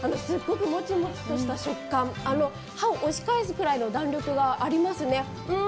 すっごくもちもちとした食感歯を押し返すくらいの弾力がありますね。